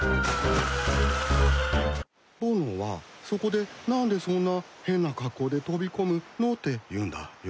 ぼのはそこで「何でそんな変な格好で飛び込むの？」って言うんだよ。